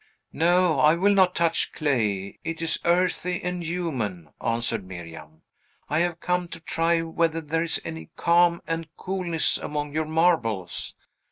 "No; I will not touch clay; it is earthy and human," answered Miriam. "I have come to try whether there is any calm and coolness among your marbles.